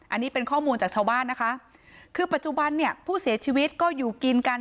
อันนี้เป็นข้อมูลจากชาวบ้านนะคะคือปัจจุบันเนี่ยผู้เสียชีวิตก็อยู่กินกัน